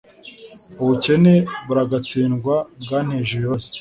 Ubukene buragatsindwa bwanteje ibibazo